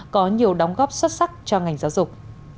có nhiều đóng góp xuất sắc cho ngành giáo dục